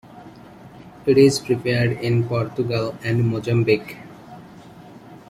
It is prepared in Portugal and Mozambique.